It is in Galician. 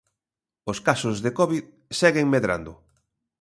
Os casos de covid seguen medrando.